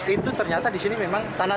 itu ternyata di sini memang tanah